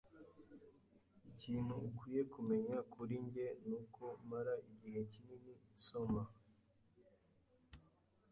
Ikintu ukwiye kumenya kuri njye nuko mara igihe kinini nsoma.